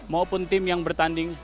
maupun tim yang bertanding